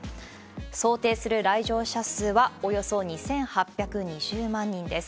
想定する来場者数はおよそ２８２０万人です。